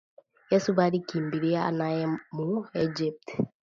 Yesu bali kimbiliaka naye mu egypte